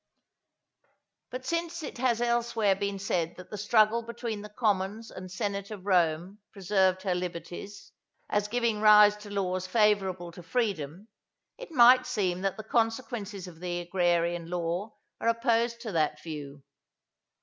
But since it has elsewhere been said that the struggle between the commons and senate of Rome preserved her liberties, as giving rise to laws favourable to freedom, it might seem that the consequences of the Agrarian Law are opposed to that view.